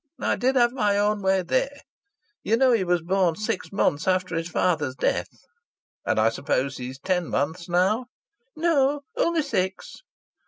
I did have my own way there! You know he was born six months after his father's death." "And I suppose he's ten months now?" "No. Only six."